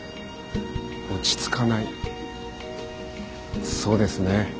落ち着かないそうですね。